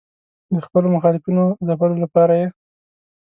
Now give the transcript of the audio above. د خپلو مخالفینو ځپلو لپاره یې.